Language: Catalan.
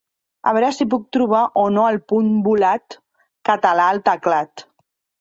A veure si puc trobar o no el punt volat català al teclat.